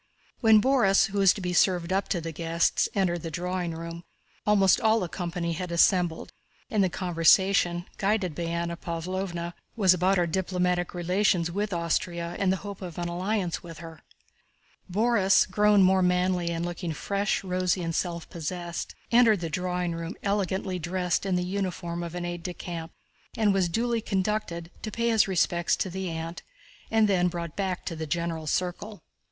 When Borís, who was to be served up to the guests, entered the drawing room, almost all the company had assembled, and the conversation, guided by Anna Pávlovna, was about our diplomatic relations with Austria and the hope of an alliance with her. Borís, grown more manly and looking fresh, rosy and self possessed, entered the drawing room elegantly dressed in the uniform of an aide de camp and was duly conducted to pay his respects to the aunt and then brought back to the general circle.